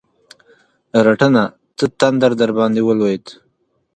رټنه؛ څه تندر درباندې ولوېد؟!